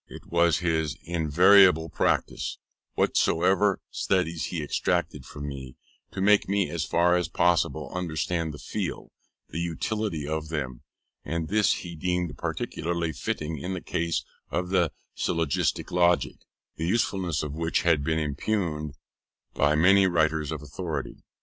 It was his invariable practice, whatever studies he exacted from me, to make me as far as possible understand and feel the utility of them: and this he deemed peculiarly fitting in the case of the syllogistic logic, the usefulness of which had been impugned by so many writers of authority.